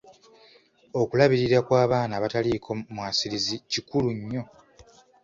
Okulabirira kw'abaana abataliiko mwasirizi kikulu nnyo.